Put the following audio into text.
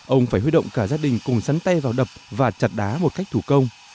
ông phải huy động cả gia đình cùng sắn tay vào đập và chặt đá một cách thủ công